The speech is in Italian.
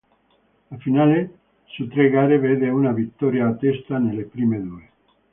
La finale su tre gare vede una vittoria a testa nelle prime due.